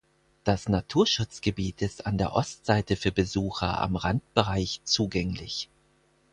Das Naturschutzgebiet ist an der Ostseite für Besucher am Randbereich zugänglich.